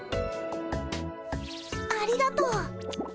ありがとう。